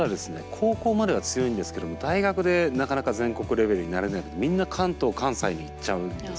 高校までは強いんですけども大学でなかなか全国レベルになれないでみんな関東関西に行っちゃうんです。